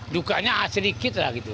dukanya sedikit lah gitu